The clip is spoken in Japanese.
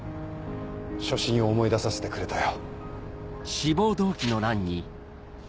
初心を思い出させてくれたよ。